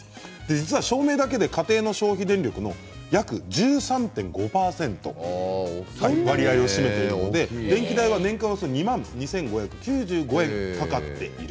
実は照明だけで家庭の消費電力の約１３．５％割合を占めているので電気代は年間およそ２万２５９５円かかっている。